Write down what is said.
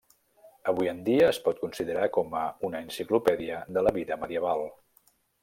Avui en dia es pot considerar com a una enciclopèdia de la vida medieval.